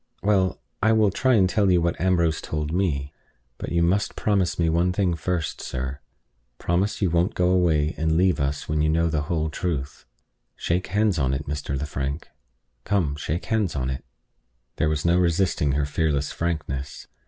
"Well, I will try and tell you what Ambrose told me. But you must promise me one thing first, sir. Promise you won't go away and leave us when you know the whole truth. Shake hands on it, Mr. Lefrank; come, shake hands on it." There was no resisting her fearless frankness.